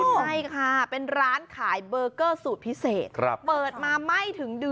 ในหาเป็นร้านขายเบอร์เกอร์สูตรพิเศษประมาทไม่ถึง